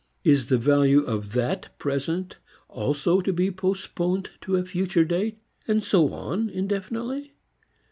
Is the value of that present also to be postponed to a future date, and so on indefinitely?